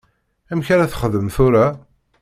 Amek ara texdem tura?